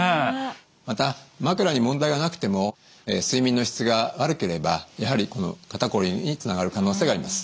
また枕に問題がなくても睡眠の質が悪ければやはりこの肩こりにつながる可能性があります。